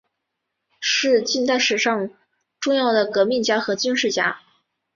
是近代史上重要的革命家和军事家。